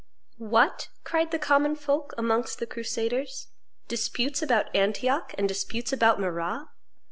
"What!" cried the common folk amongst the crusaders, "disputes about Antioch and disputes about Marrah!